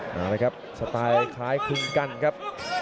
มาเลยครับสไตล์คล้ายคลึงกันครับ